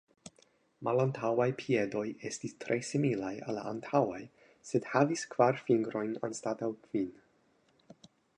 Malantaŭaj piedoj estis tre similaj al la antaŭaj, sed havis kvar fingrojn anstataŭ kvin.